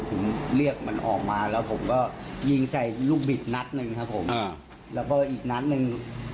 ผมเรียกมันออกมาแล้วผมก็ยิงใส่ลูกบิดนัดหนึ่งครับผมแล้วก็อีกนัดหนึ่ง